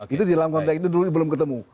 itu di dalam konteks itu belum ketemu